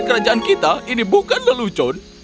kerajaan kita ini bukan lelucun